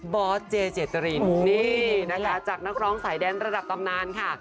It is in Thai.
อสเจเจตรินนี่นะคะจากนักร้องสายแดนระดับตำนานค่ะ